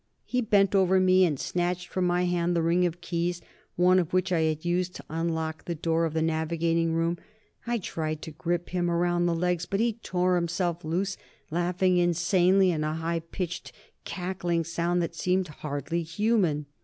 He bent over me and snatched from my hand the ring of keys, one of which I had used to unlock the door of the navigating room. I tried to grip him around the legs, but he tore himself loose, laughing insanely in a high pitched, cackling sound that seemed hardly human.